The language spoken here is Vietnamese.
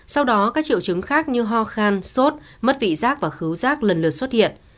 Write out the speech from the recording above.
sau đó các triệu chứng khác như ho khăn sốt mất vị rác và khứu rác lần lượt xuất hiện